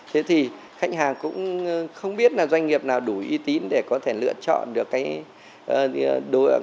thế thì khách hàng cũng không biết doanh nghiệp nào đủ y tín để có thể lựa chọn được cái đồn